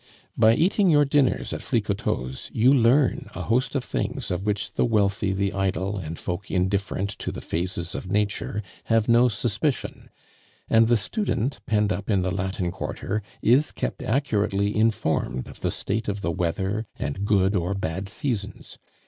By eating your dinners at Flicoteaux's you learn a host of things of which the wealthy, the idle, and folk indifferent to the phases of Nature have no suspicion, and the student penned up in the Latin Quarter is kept accurately informed of the state of the weather and good or bad seasons.